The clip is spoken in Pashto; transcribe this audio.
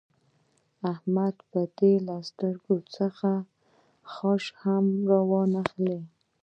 احمد به دې له سترګو څخه خاشه هم وانخلي.